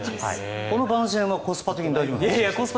この番宣はコスパ的に大丈夫？